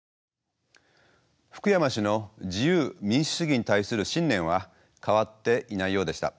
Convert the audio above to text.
フクヤマ氏の自由民主主義に対する信念は変わっていないようでした。